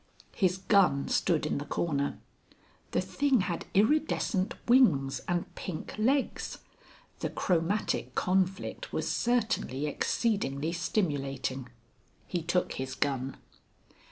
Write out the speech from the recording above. His gun stood in the corner. (The thing had iridiscent wings and pink legs! The chromatic conflict was certainly exceedingly stimulating). He took his gun.